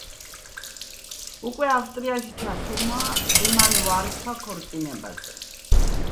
უკვე ავსტრიაში ჩასულმა, კი მან უარი თქვა ქორწინებაზე.